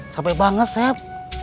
sampai banget sep